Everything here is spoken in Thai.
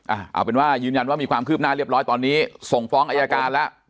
เอาเป็นว่ายืนยันว่ามีความคืบหน้าเรียบร้อยตอนนี้ส่งฟ้องอายการแล้ว